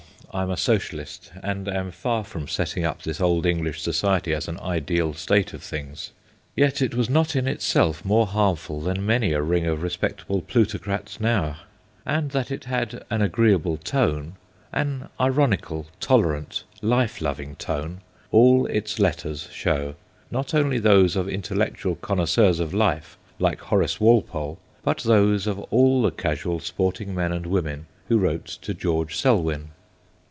I am a socialist, and am far from setting up this old English society as an ideal state of things. Yet it was not in itself more harmful than many a ring of respectable plutocrats now, and that it had an agreeable tone an ironical, tolerant, life loving tone all its letters show, not only those of intellectual connoisseurs of life like Horace Walpole, but those of all the casual sporting men and women who wrote to George Selwyn.